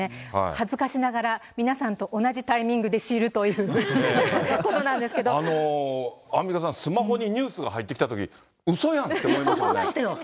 恥ずかしながら、皆さんと同じタイミングで知るということなんでアンミカさん、スマホにニュースが入ってきたとき、思いましたよ。